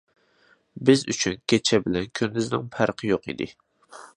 بىز ئۈچۈن كېچە بىلەن كۈندۈزنىڭ پەرقى يوق ئىدى.